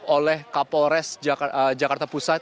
oleh kapolres jakarta pusat